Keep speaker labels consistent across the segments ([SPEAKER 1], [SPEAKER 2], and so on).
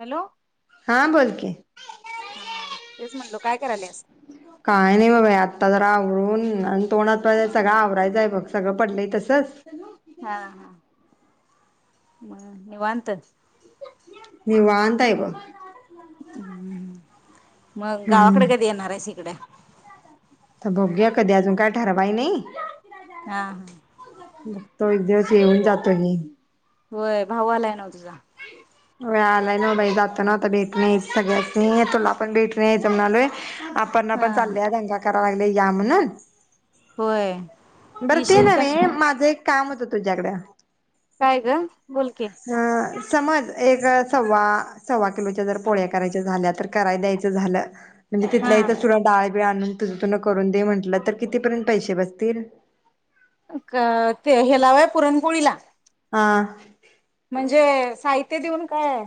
[SPEAKER 1] Hello
[SPEAKER 2] हा बोल की,
[SPEAKER 1] हा तेच म्हणलो काय कराल्यास.
[SPEAKER 2] काय नाही ब बाई आत्ता जरा, आवरून आणि तोंडहात पाय सगळं आवरायचंय बघ सगळं पडलंय तसच.
[SPEAKER 1] हा हा. मग निवांत.
[SPEAKER 2] निवांत हाय बघ.
[SPEAKER 1] हम्म हम्म. मग
[SPEAKER 2] हम्म
[SPEAKER 1] गावाकड कधी येणार हाईस इकड.
[SPEAKER 2] आता बघूया कधी, अजून काय ठरवाय नाही.
[SPEAKER 1] हा हा.
[SPEAKER 2] बगतो एक दिवस येऊन जातो घे.
[SPEAKER 1] होय, भाऊ आलाय ना तुझा.
[SPEAKER 2] वय आलाय ना बाई जातो, ना आता भेट नाही सगळ्यासनी नाही. तुला आपण भेटून यायचं म्हणालोय. अपर्णा
[SPEAKER 1] हा
[SPEAKER 2] पण चालल्या तेंच्या [unintelligible] या म्हणून
[SPEAKER 1] होय
[SPEAKER 2] बरं ते
[SPEAKER 1] येशील
[SPEAKER 2] नव्हे,
[SPEAKER 1] कणी
[SPEAKER 2] माझं एक काम होत. तु तुझ्याकड.
[SPEAKER 1] काय ग? बोल की,
[SPEAKER 2] अ समज एक सव्वा सव्वा किलोच्या जर पोळ्या करायच्या झाल्या, तर कराय द्यायचं झालं म्हणजे
[SPEAKER 1] हा
[SPEAKER 2] तिथल्या इथं तुला डाळ बी आणून तुझं तुन. करून दे म्हणल, तर कितीपर्यंत पैसे बसतील. तेल.
[SPEAKER 1] का ते हेला होय पुरणपोळीला.
[SPEAKER 2] हा.
[SPEAKER 1] म्हणजे साहित्य देऊन काय?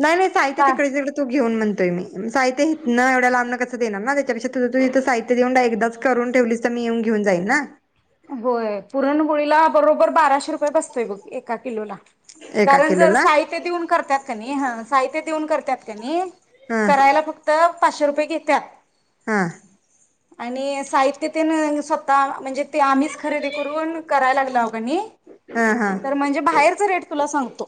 [SPEAKER 2] नाही नाही साहित्य
[SPEAKER 1] का
[SPEAKER 2] तिकडच्या तिकडे तू घेऊन म्हणते म्हणतोय मी साहित्य हितन एवढं लांबंन कसं देणार ना? गं त्यापेक्षा तुझं तू साहित्य देऊन एकदाच करून ठेवलीस तर मी येऊन घेऊन जाईन ना.
[SPEAKER 1] होय पुरणपोळीला बरोबर बाराशे रुपय बसतय बग एका किलोला.
[SPEAKER 2] एका
[SPEAKER 1] कारण जर
[SPEAKER 2] किलोला
[SPEAKER 1] साहित्य देऊन करत्यात की ह साहित्य देऊन कर त्यात कणी,
[SPEAKER 2] हा
[SPEAKER 1] करायला फक्त. पाचशे रुपये घेत्यात.
[SPEAKER 2] हा.
[SPEAKER 1] आणि साहित्य तेन स्वतः म्हणजे, ते आम्हीच खरेदी करून, करायला लागलाव कणी.
[SPEAKER 2] हा हा
[SPEAKER 1] तर म्हणजे बाहेरच रेट तुला सांगतो.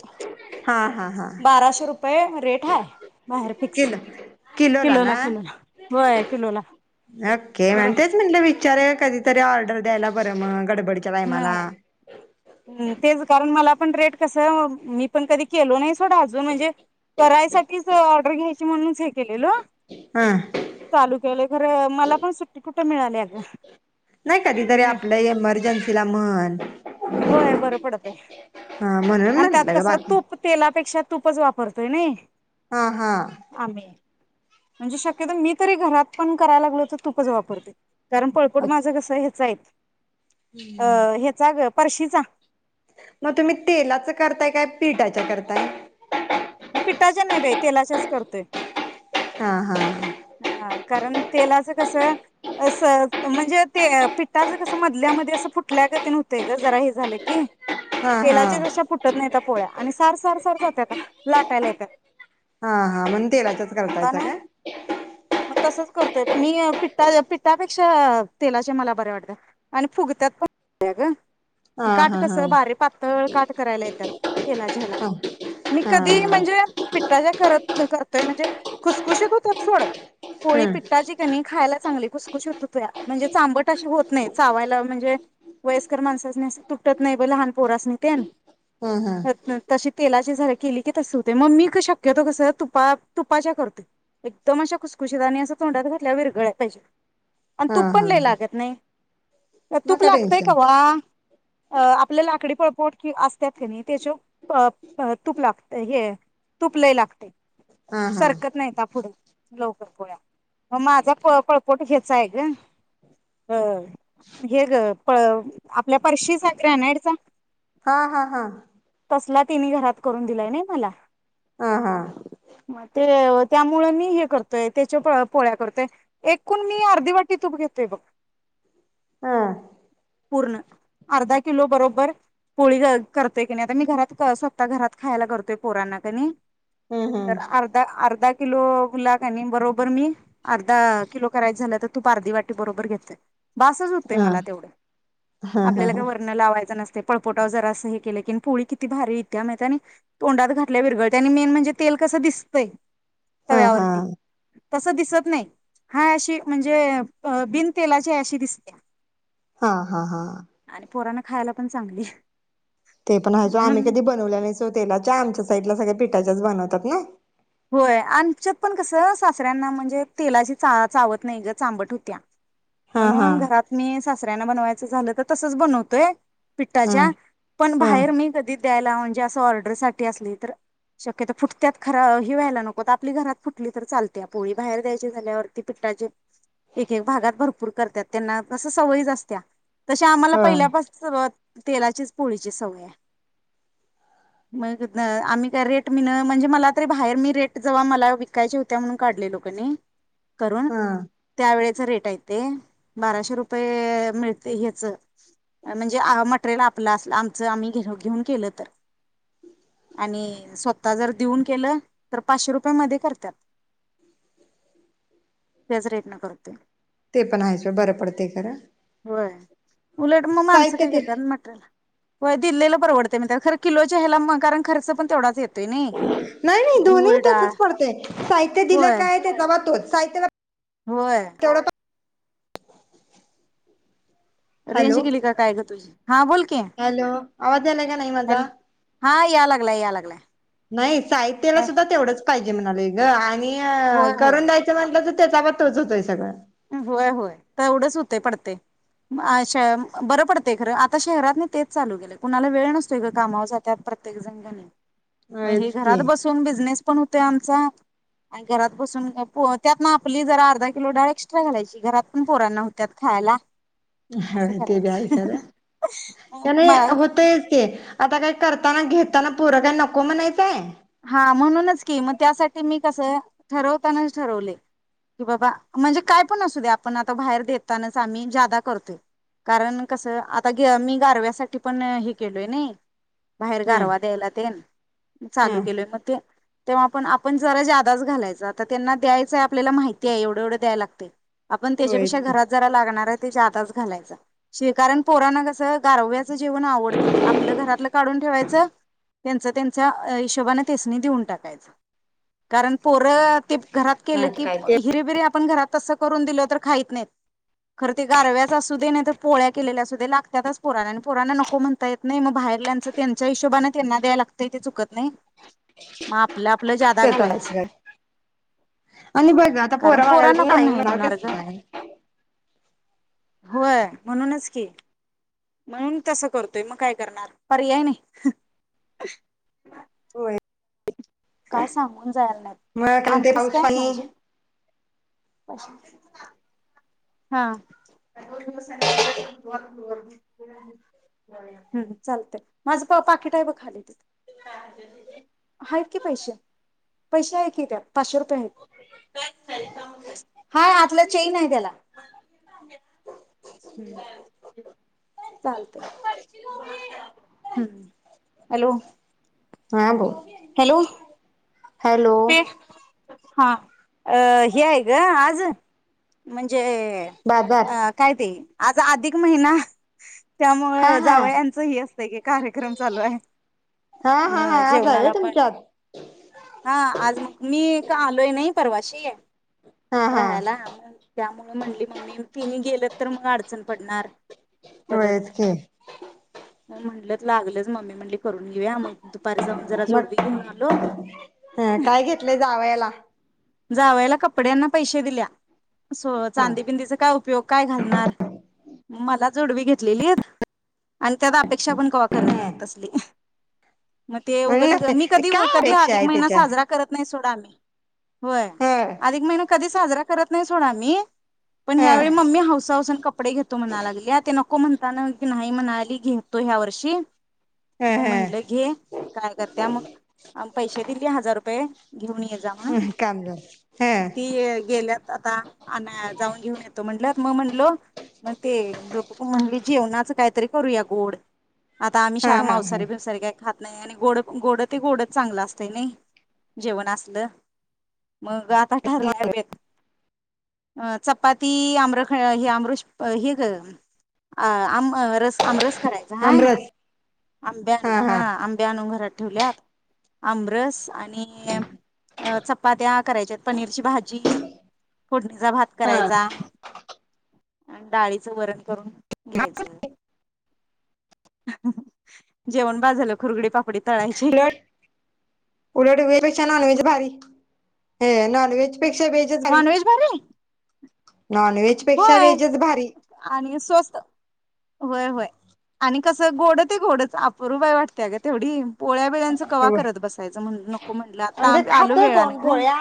[SPEAKER 2] हा हा हा
[SPEAKER 1] बाराशे रुपये रेट हाय बाहेर फिक्स
[SPEAKER 2] किलो किलोला ना
[SPEAKER 1] होय किलोला
[SPEAKER 2] ओके
[SPEAKER 1] बरो
[SPEAKER 2] मण तेच म्हणला विचारे कधीतरी ऑर्डर द्यायला बर मग पुढच्या टायमाला
[SPEAKER 1] हम्म हम्म तेच कारण मला पण रेट कस मी पण कधी केलो नाही सोडा अजून म्हणजे करायसाठीच ऑर्डर घ्यायची म्हणूनच केलंल
[SPEAKER 2] हा
[SPEAKER 1] चालू केलोय खर मला पण सुटी कुठ मिळाली.
[SPEAKER 2] तिला मर
[SPEAKER 1] होय बरं पडतंय
[SPEAKER 2] हा म्हणून
[SPEAKER 1] आणि त्यात
[SPEAKER 2] म्हंटलं ग
[SPEAKER 1] कस
[SPEAKER 2] बाकी
[SPEAKER 1] तूप तेलापेक्षा तूपच वापरतोय नाही
[SPEAKER 2] हा हा
[SPEAKER 1] आम्ही म्हणजे शक्यतो मी तरी घरात पण करायला लागलो तर तूपच वापरते. कारण पळपोट माझं
[SPEAKER 2] अच्छा
[SPEAKER 1] कसं हेच आहे. अ हेचा ग परशीचा
[SPEAKER 2] मग तुम्ही तेलाच करताय काय पिठाच्या करताय
[SPEAKER 1] पिठाच्या नाही बाई तेलाच्याच करतोय
[SPEAKER 2] हा हा हा
[SPEAKER 1] हा कारण तेलाचं कसं अस म्हणजे ते पिठाच कस मधल्यामध्ये असं फुटल्या ग ते नव्हत ग जरा हे झालं की
[SPEAKER 2] हा हा
[SPEAKER 1] तेलाच्या जशा फुटत नाही पोळ्या आणि सार सार सार जात्याता लाटायला येत्यात.
[SPEAKER 2] हा हा म्हणुन तेलाच्या च करतायसा
[SPEAKER 1] म्हणताना
[SPEAKER 2] काय
[SPEAKER 1] मग तसच करतोय मी पि्टा पिट्टापेक्षा तेलाचे मला बरे वाटते आणि फुगत्यात पण ग
[SPEAKER 2] हा
[SPEAKER 1] काठ
[SPEAKER 2] हा
[SPEAKER 1] कस
[SPEAKER 2] हा
[SPEAKER 1] बारीक पातळ काठ करायला येतात तेलाच्या हेला
[SPEAKER 2] हा हा
[SPEAKER 1] मी कधी
[SPEAKER 2] हा
[SPEAKER 1] म्हणजे पिठ्ठा च्या करत करतोय म्हणजे खुस खुशीत होत्यात. सोड पोळी
[SPEAKER 2] हम्म
[SPEAKER 1] पिट्टाची कणी खायला चांगली खुसखुशीत होत हो म्हणजे चांबट अशी होत नाहीत चावायला म्हणजे वयस्कर माणसासनी असं तुटत नाही ब लहान पोरसनी तेन
[SPEAKER 2] हम हम
[SPEAKER 1] तेलाचे झारे केली की तस होतय मग मी शक्यतो कस तुपात तुपाच्या करतोय एकदम अशा खुशखुशीत आणि असं तोंडात घातल्या विरघळायला पाहिजे आणि
[SPEAKER 2] हा
[SPEAKER 1] तूप पण
[SPEAKER 2] हा
[SPEAKER 1] लय लागत नाही.
[SPEAKER 2] मग
[SPEAKER 1] तूप
[SPEAKER 2] काय
[SPEAKER 1] लागतय
[SPEAKER 2] टेन्शन
[SPEAKER 1] कवा अ आपल लाकडी पळपुट कि असतात कनी, त्याच्यावर तूप लागते हे तुप लय लागतय.
[SPEAKER 2] हा हा
[SPEAKER 1] सरकत नाहीता पुढं. लवकर पोळ्या. मग माझा प पळपोट ह्यचा आहे ग हे ग पळ आपल्या फरशीचा ग्रॅनाइडचा.
[SPEAKER 2] हा हा हा.
[SPEAKER 1] तसला तिनी घरात करून दिलाय नाही मला.
[SPEAKER 2] हा हा.
[SPEAKER 1] मग ते त्यामुळ मी हे करतोय त्याच्या पोळ्या करतोय. एकूण मी अर्धी वाटी तूप घेतोय बघ,
[SPEAKER 2] हा
[SPEAKER 1] पूर्ण अर्धा किलो बरोबर पोळी करतोय कनी नाही आता मी घरात स्वतः घरात खायला करतोय पोरांना कणी.
[SPEAKER 2] हम्
[SPEAKER 1] तर
[SPEAKER 2] हम्
[SPEAKER 1] अर्धा अर्धा किलो. किलोला कणि बरोबर मी अर्धा किलो करायच झालं तर, तूप अर्धी वाटी बरोबर घेतोय. बासच होतय
[SPEAKER 2] हा
[SPEAKER 1] मला तेवढं
[SPEAKER 2] हा हा
[SPEAKER 1] आपल्याला काय
[SPEAKER 2] हा
[SPEAKER 1] वर्ण लावायचं नस पळपोटाव जरा असं हे केलं कि पोळी किती भारी येतिया माहित हाय नई आणि तोंडात घातल्या विरघळत्या, आणि मेन म्हणजे तेल कसं दिसतंय.
[SPEAKER 2] हा हा.
[SPEAKER 1] तस दिसत नाही. हाय अशी म्हणजे बिनतेलाची हाय अशी दिसत्या.
[SPEAKER 2] हा हा हा.
[SPEAKER 1] आणि पोरांना खायला पण चांगली.
[SPEAKER 2] ते पण आहे सोड आम्ही
[SPEAKER 1] म्हणून
[SPEAKER 2] कधी बनवल्या नाहीत सोड तेलाच्या, आमच्या साईडला सगळ्या पिठाच्याच बनवतात नई.
[SPEAKER 1] होय आमच्यात पण कसं सासऱ्यांना म्हणजे तेलाची चा चावत नाही चांबट होतिया.
[SPEAKER 2] हा हा
[SPEAKER 1] म्हणून घरात मी सासऱ्यांना बनवाय झाल तर तसच बनवतोय.
[SPEAKER 2] हा
[SPEAKER 1] पिठाच्या पण
[SPEAKER 2] हा
[SPEAKER 1] बाहेर मी कधी द्यायला म्हन की असं ऑर्डर साठी असली तर शक्यतो फुटत्यात खरं व्हायला नको. आपली घरात फुटली तर चालत्या पोळी, बाहेर द्यायची झाल्यावरती पिठाचे एक एक भागात भरपूर करतात त्यांना तस सवयीच असत्या. तशी आम्हाला
[SPEAKER 2] हो
[SPEAKER 1] पहिल्यापासन सूर तेलाचीच पोळीची सवय हाय. मग आम्ही काय रेट मिन म्हणजे मला तरी बाहेर मी रेट जव्हा मला विकायची होत्या म्हणून काढलेलो कनी करून
[SPEAKER 2] हा
[SPEAKER 1] त्यावेळे रेट आहे ते. बाराशे रुपये मिळतय ह्याच म्हणजे मटेरियल आपलं असल आमच आम्ही घे घेऊन केलं तर आणि स्वत जर देऊन केलं तर पाचशे रुपया मध्ये करत्यात, त्याच रेट न करतोय.
[SPEAKER 2] ते पण हायच सोड बरं पडतय खरं.
[SPEAKER 1] होय उलट मग माणसं
[SPEAKER 2] साहित्य
[SPEAKER 1] काय
[SPEAKER 2] दिल
[SPEAKER 1] करत्यात अ मटरेल होय दिल्लेला परवडते मी तर खरं किलोच्या ह्याला मग कारण खर्च पण तेवढाच येतोय नई.
[SPEAKER 2] नाही नाही दोन्ही तसच पडतंय साहित्य दिलं काय त्याचा बा तोच. साहित्यला
[SPEAKER 1] व्हय रेंज
[SPEAKER 2] हॅलो
[SPEAKER 1] गेली का काय ग तुझी हा बोल की
[SPEAKER 2] हॅलो आवाज आलाय का नाही माझा
[SPEAKER 1] हॅलो हा या लागलाय या लागलाय.
[SPEAKER 2] नाही साहित्यला सुद्धा तेवढंच पाहिजे. म्हणालोय
[SPEAKER 1] होय
[SPEAKER 2] ग.
[SPEAKER 1] होय
[SPEAKER 2] करून द्यायच म्हटले तर तेचा बा तोच होतोय सगंळ
[SPEAKER 1] होय होय तेवढंच होते पडते, बरं पडते खरं आता शहरात नाही तेच चालू गेले, कुणाला वेळ नसतो ग कामावर जात्यात प्रत्येक जण घरी. मग हे
[SPEAKER 2] होयच
[SPEAKER 1] घरात
[SPEAKER 2] की
[SPEAKER 1] बसून बिझनेस [unintelligible] आमचा घरात बसून, त्यात आपली जरा अर्धा किलो डाळ घालायची. घरात पण पोरांना होत्यात खायला.
[SPEAKER 2] ह
[SPEAKER 1] असं
[SPEAKER 2] ते बी हाय खरं
[SPEAKER 1] करायचं
[SPEAKER 2] त्या
[SPEAKER 1] म
[SPEAKER 2] नाही होतय च ते. आता काही करताना घेताना पोर काही नको म्हणायचंय.
[SPEAKER 1] हा म्हणूनच की मग त्यासाठी मी कसं ठरवतानाच ठरवले की बाबा म्हणजे काय पण असू द्या आपण आता बाहेर देतानाच आम्ही जादा करतोय कारण कसं आता मी गारव्यासाठी पण हे केलोय नाही. बाहेर
[SPEAKER 2] हा
[SPEAKER 1] गारवा द्यायला तेन
[SPEAKER 2] हा
[SPEAKER 1] चालू केले म ते तेव्हा पण आपण जरा जादाच घालायचा तर त्यांना द्यायचय आपल्याला माहिती आहे एवढे एवढं दयायला लागतय. आपण
[SPEAKER 2] होयच
[SPEAKER 1] त्याच्यापेक्षा
[SPEAKER 2] की
[SPEAKER 1] घरात जरा लागणार आहेत. जादा च घालायच कस कारण पोराना कस गारवा च जेवण आवडते. आपलं घरात काढून ठेवायच त्यांच त्यांच हिशोबान‌ त्यासनी देऊन टाकायच. कारण पोर ते घरात केलं
[SPEAKER 2] नाही तर
[SPEAKER 1] की
[SPEAKER 2] काय ते
[SPEAKER 1] हिरेबिरे आपण घरात तसं करून दिलं तर खाईत नाहीत, खर ते गारव्याच असू दे नाही तर पोळ्या केलेल्या असू दे लागत्यातच पोरांना आणि पोरांना नको म्हणता येत नाही. मग बाहेरल्याच त्यांच्या हिशोबाने त्यांना द्यायला लागतय ते चुकत नाही. मग आपण
[SPEAKER 2] ते तर हाय च ग काय आणि
[SPEAKER 1] होय.
[SPEAKER 2] बघ आता
[SPEAKER 1] कारण
[SPEAKER 2] पोरं
[SPEAKER 1] पोरांना
[SPEAKER 2] मागायला
[SPEAKER 1] कोण
[SPEAKER 2] नाही म्हणायच
[SPEAKER 1] म्हणणार
[SPEAKER 2] कस
[SPEAKER 1] ग.
[SPEAKER 2] काय
[SPEAKER 1] होय म्हणूनच की म्हणून तसं करतोय मग काय करणार पर्याय नाही.
[SPEAKER 2] हो
[SPEAKER 1] काय सांगून जायला नाहीत
[SPEAKER 2] मग कारण ते
[SPEAKER 1] आणतीच
[SPEAKER 2] पाऊस
[SPEAKER 1] काय
[SPEAKER 2] पाणी
[SPEAKER 1] भाजी. [unintelligible] हा चालतय माझ पाकिट आहे ब तिथं खाली, आहेत की पैसे, पैसे आहे कि त्या पाचशे रुपये. हा आतलं चेन आहे त्याला हम्म चालतय हम्म हॅलो
[SPEAKER 2] हा बोल
[SPEAKER 1] हॅलो.
[SPEAKER 2] हॅलो.
[SPEAKER 1] पे हा अ हे आहे ग आज म्हणजे
[SPEAKER 2] बाजार
[SPEAKER 1] अ कायते आज अधिक महिना
[SPEAKER 2] हा
[SPEAKER 1] त्यामुळ
[SPEAKER 2] हा
[SPEAKER 1] जावयाचं हे असतंय की कार्यक्रम चालू हाय.
[SPEAKER 2] हा हा हा
[SPEAKER 1] म
[SPEAKER 2] आज आहे व्हय
[SPEAKER 1] जेवणाला पण
[SPEAKER 2] तुमच्यात
[SPEAKER 1] आज मग मी का आलोय नाई परवाशी
[SPEAKER 2] हा हा
[SPEAKER 1] राहायला. त्यामुळे म्हणली मम्मी तिनी गेलं तर मग अडचण पडणार.
[SPEAKER 2] होयच की
[SPEAKER 1] म म्हटलंत लागलंच मम्मी म्हटली करून घेऊया मग दुपारी जाऊन जरा जोडवी घेऊन आलो.
[SPEAKER 2] हा काय घेतलंय जावयाला?
[SPEAKER 1] जावयला कपड्यांना पैशे दिल्या. सो
[SPEAKER 2] हा
[SPEAKER 1] चांदीबिंंदीचा काय उपयोग काय घालणार. मला जोडवी घेतलेलीत. आणि त्यात अपेक्षा पण कवा करत नाहीत
[SPEAKER 2] हा
[SPEAKER 1] तसली मग ते उगच मी
[SPEAKER 2] नसेल
[SPEAKER 1] कधी
[SPEAKER 2] काय
[SPEAKER 1] कधी
[SPEAKER 2] अपेक्षा
[SPEAKER 1] अर्धिक
[SPEAKER 2] आहे
[SPEAKER 1] महिना
[SPEAKER 2] त्याच्या
[SPEAKER 1] साजरा करत नाही सोड. [unintelligible] होय
[SPEAKER 2] ह
[SPEAKER 1] अधिक महीना कधीच साजरा करत नाही सोड आमी पण
[SPEAKER 2] ह
[SPEAKER 1] ह्यावेळी मम्मी हौऊस हौवसन कपडे घेतो म्हणा लागल्या ते न नको म्हणताना की नाही म्हणाली घेतो ह्या वर्षी
[SPEAKER 2] ह
[SPEAKER 1] मग म्हंटलं
[SPEAKER 2] ह
[SPEAKER 1] घे. काय करत्या मग पैशे दिली हजार रुपय घेऊन येजा म्हणून
[SPEAKER 2] कामझाल ह.
[SPEAKER 1] ती गेल्यात आता आन जाऊन घेऊन येतो. म्हटलत मग म्हणलो मग ते दोन प म्हणले जेवणाच काहीतरी करूया गोड आता आम्ही
[SPEAKER 2] हा
[SPEAKER 1] शाळा
[SPEAKER 2] हा ह
[SPEAKER 1] मांसारी भिवसारी काही खात नाही आणि गोड गोड ते गोडच चांगलं असतय नयी जेवण असल. मग आता ठरलाय बेत. अ चपाती आमराखंड हे आमर हे ग आम रस आमरस करायच हाय
[SPEAKER 2] आमरस
[SPEAKER 1] आंब्या आन हा आंबे आणून घरात आमरस आणि चपा आमरस आणि चपाात्या करायच्यात पनीरची भाजी फोडणी. भात
[SPEAKER 2] हा
[SPEAKER 1] करायचा. डाळीचं वरण करून घ्यायचं हह जेवण बास झालं खुरगडी पापडी. तळायची
[SPEAKER 2] उलट उलट व्हेज पेक्षा नॉनव्हेज भारी. ह नॉनव्हेज पेक्षा व्हेजच भारी. नॉनव्हेज पेक्षा
[SPEAKER 1] होय
[SPEAKER 2] व्हेजच भारी
[SPEAKER 1] व्हय व्हय आणि कसं गोड ते गोडच अपरूबाई वाटतीया ग तेवढी. पोळ्या बेळ्यांच कवा करत
[SPEAKER 2] म्हणजे
[SPEAKER 1] बसायचं म्हणून नको म्हटलं आता आलो
[SPEAKER 2] खातोय
[SPEAKER 1] वेळाने
[SPEAKER 2] कोण
[SPEAKER 1] ग.
[SPEAKER 2] पोळ्या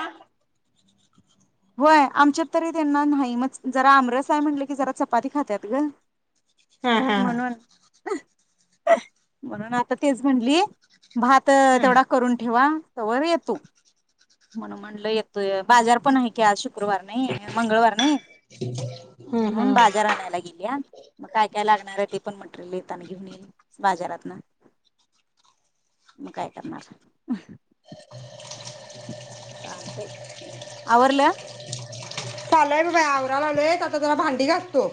[SPEAKER 1] होय आमच्यात तरी त्यांना नाही मग जरा आमरस आहे म्हणलं की जरा चपाती खात्यात ग.
[SPEAKER 2] हा हा
[SPEAKER 1] म्हणून. म्हणून आता तेच म्हणली. भात अ
[SPEAKER 2] ह
[SPEAKER 1] तेवढा करून ठेवा. तवर येतो म्हणून म्हटलं येतोय बाजार पण आहे. कॅश शुक्रवार नाही मंगळवार नाही
[SPEAKER 2] हम्म
[SPEAKER 1] म्हणून
[SPEAKER 2] हम्
[SPEAKER 1] बाजार आणायला गेलीया मग काय काय लागणार आहे ते पण मटरेल. घेऊन येईल बाजारातन मग काय करणार.
[SPEAKER 2] [inaudible]
[SPEAKER 1] आवरलं?
[SPEAKER 2] चालय ब बाई आवरा लावलोय आता जरा भांडी घासतो.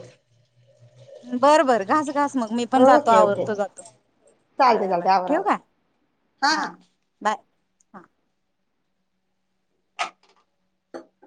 [SPEAKER 1] बर बर घास. घास मग मी पण जातो
[SPEAKER 2] ओके ओके
[SPEAKER 1] आवरतो जातो
[SPEAKER 2] चालते
[SPEAKER 1] बर बर
[SPEAKER 2] चालते आवर
[SPEAKER 1] ठेवू
[SPEAKER 2] आवर
[SPEAKER 1] काय हा बाय. हा.